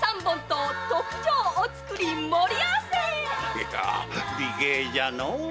いや美形じゃのう！